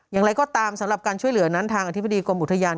อย่างไรก็ตามสำหรับการช่วยเหลือนั้นทางอธิบดีกรมอุทยาน